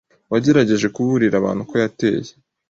wagerageje kuburira abantu ko yateye